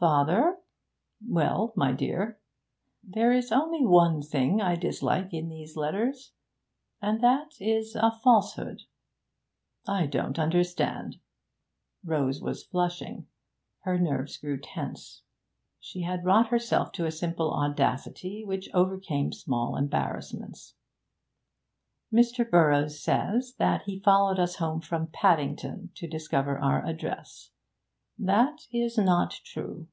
'Father ' 'Well, my dear?' 'There is only one thing I dislike in these letters and that is a falsehood.' 'I don't understand.' Rose was flushing. Her nerves grew tense; she had wrought herself to a simple audacity which overcame small embarrassments. 'Mr. Burroughs says that he followed us home from Paddington to discover our address. That is not true.